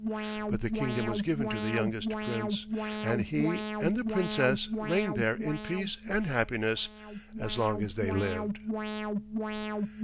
But the kingdom was given to the youngest Prince, and he and the Princess reigned there in peace and happiness as long as they lived.